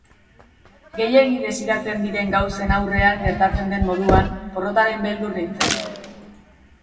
Gehiegi desiratzen diren gauzen aurrean gertatzen den moduan, porrotaren beldur nintzen.